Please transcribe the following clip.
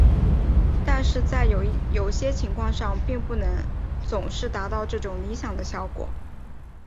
但是在有些情况上并不能总是达到这种理想的效果。